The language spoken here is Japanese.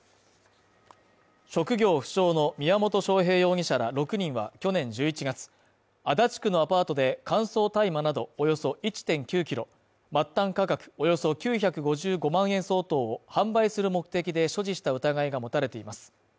職業不詳の宮本晶平容疑者ら６人は去年１１月、足立区のアパートで乾燥大麻などおよそ１．９キロ末端価格およそ９５５万円相当を販売する目的で所持した疑いが持たれています